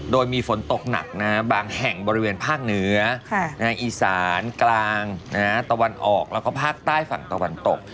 โดยมีฝนตกหนักบางแห่งบริเวณภาคเหนืออีสานกลางตะวันออกแล้วก็ภาคใต้ฝั่งตะวันตก